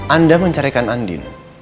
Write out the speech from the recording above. anda mencarikan andi